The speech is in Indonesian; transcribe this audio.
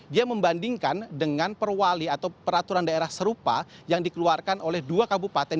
dia membandingkan dengan perwali atau peraturan daerah serupa yang dikeluarkan oleh dua kabupaten